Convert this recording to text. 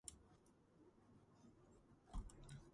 ქვემო ბარღების თემის შემადგენლობაში.